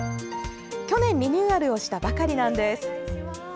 去年リニューアルをしたばかりなんです。